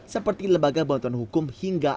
seperti lembaga bantuan hukum hingga